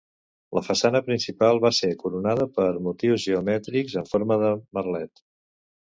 La façana principal va ser coronada per motius geomètrics en forma de merlet.